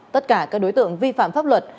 tất cả các đối tượng vi phạm pháp luật